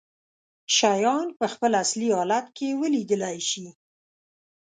شيان په خپل اصلي حالت کې ولیدلی شي.